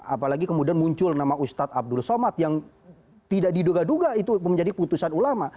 apalagi kemudian muncul nama ustadz abdul somad yang tidak diduga duga itu menjadi putusan ulama